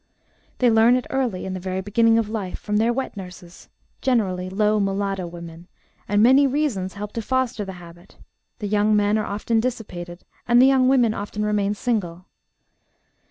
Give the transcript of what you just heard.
They learn it early, in the very beginning of life, from their wet nurses, generally low Mulatto women, and many reasons help to foster the habit; the young men are often dissipated and the young women often remain single.